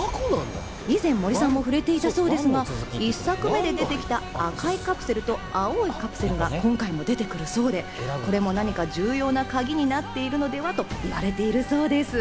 以前、森さんもふれていたそうですが、１作目で出てきた赤いカプセルと青いカプセルが今回も出てくるそうで、これも何か重要なカギになっているのではと言われているそうです。